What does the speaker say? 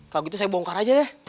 kalau gitu saya bongkar aja deh